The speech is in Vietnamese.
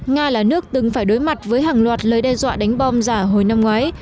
nga là nước từng phải đối mặt với hàng loạt lời đe dọa đánh bom giả hồi năm ngoái